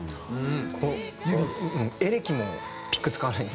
このエレキもピック使わないんですよ。